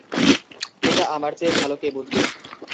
এটা আমার চেয়ে ভালো কে বুঝবে!